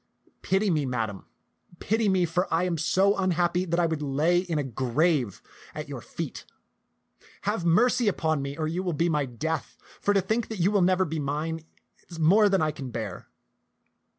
Pity me. Madam, pity me, for I am so unhappy that I would I lay in a grave at your feet. Have mercy upon me, or you will be my death; for to think that you will never be mine is more than I can bear."